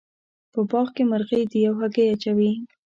په باغ کې مرغۍ دي او هګۍ اچوې